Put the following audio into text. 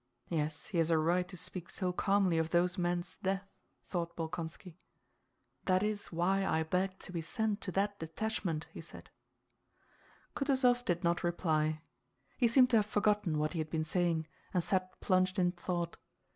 "Yes, he has a right to speak so calmly of those men's death," thought Bolkónski. "That is why I beg to be sent to that detachment," he said. Kutúzov did not reply. He seemed to have forgotten what he had been saying, and sat plunged in thought.